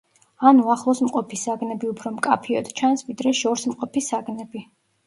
ანუ ახლოს მყოფი საგნები უფრო მკაფიოდ ჩანს ვიდრე შორს მყოფი საგნები.